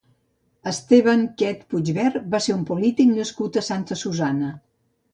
Esteban Quet Puigvert va ser un polític nascut a Santa Susanna.